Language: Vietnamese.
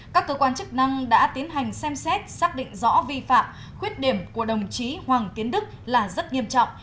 các cơ quan chức năng đã tiến hành xem xét xác định rõ vi phạm khuyết điểm của đồng chí hoàng tiến đức là rất nghiêm trọng